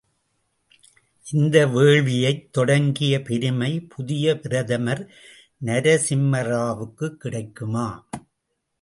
இந்த வேள்வியைத் தொடங்கிய பெருமை புதிய பிரதமர் நரசிம்மராவுக்குக் கிடைக்குமா!